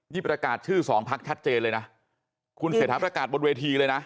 นี่ประกาศชื่อสองพักชัดเจนเลยนะคุณเศรษฐาประกาศบนเวทีเลยนะ